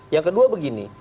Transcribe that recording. yang kedua begini